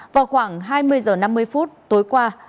vào khoảng hai mươi h năm mươi phút tối qua